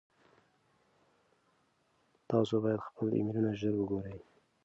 تاسو باید خپل ایمیلونه ژر وګورئ.